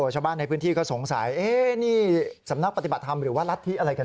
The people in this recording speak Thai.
ชาวบ้านในพื้นที่ก็สงสัยนี่สำนักปฏิบัติธรรมหรือว่ารัฐธิอะไรกัน